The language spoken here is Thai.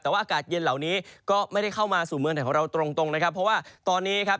แต่ว่าอากาศเย็นเหล่านี้ก็ไม่ได้เข้ามาสู่เมืองไทยของเราตรงตรงนะครับเพราะว่าตอนนี้ครับ